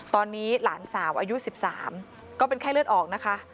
ตอนนี้หลานสาวอายุ๑๓ก็เป็นไข้เลือดออกนะคะ